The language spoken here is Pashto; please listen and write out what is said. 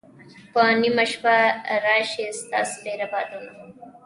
په نیمه شپه را شی ستا سپیره یادونه